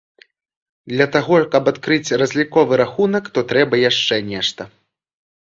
Для таго, каб адкрыць разліковы рахунак, то трэба яшчэ нешта.